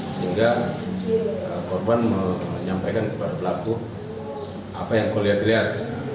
sehingga korban menyampaikan kepada pelaku apa yang kulihat lihat